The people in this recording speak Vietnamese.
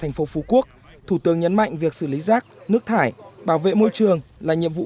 thành phố phú quốc thủ tướng nhấn mạnh việc xử lý rác nước thải bảo vệ môi trường là nhiệm vụ